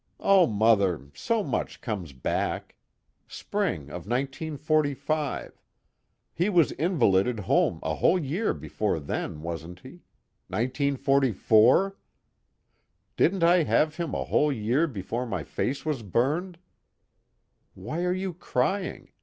O Mother, so much comes back! Spring of 1945 he was invalided home a whole year before then, wasn't he? 1944? Didn't I have him a whole year before my face was burned? Why are you crying?